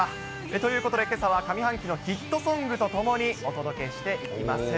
ということで、けさは上半期のヒットソングとともにお届けしていきます。